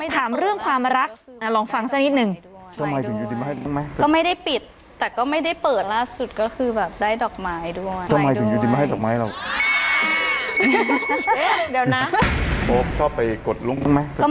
ถามเรื่องความรักลองฟังสักนิดหนึ่ง